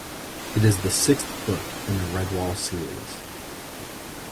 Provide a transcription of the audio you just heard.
It is the sixth book in the "Redwall" series.